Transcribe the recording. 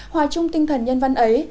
hòa chung tinh thần nhân văn ấy